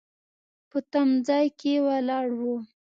په تم ځای کې ولاړ و.